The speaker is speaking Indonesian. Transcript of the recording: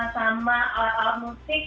sama alat alat musik